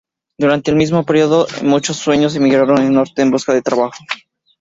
Durante el mismo periodo muchos sureños emigraron al norte en busca de trabajo.